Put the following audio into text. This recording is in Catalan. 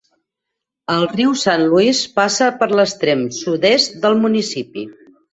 El riu Saint Louis passa per l'extrem sud-est del municipi.